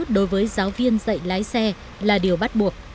đối với giáo viên dạy lái xe là điều bắt buộc